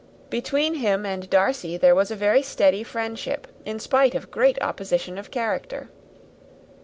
Between him and Darcy there was a very steady friendship, in spite of a great opposition of character.